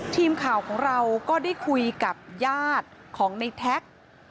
ทีมข่าวของเราก็ได้คุยกับญาติของในแท็ก